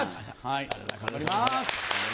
はい頑張ります！